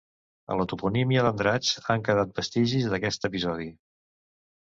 A la toponímia d'Andratx han quedat vestigis d'aquest episodi.